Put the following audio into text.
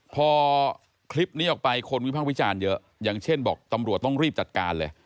พอคลิปนี้ออกไปคนวิพากษ์วิจารณ์เยอะอย่างเช่นบอกตำรวจต้องรีบจัดการเลย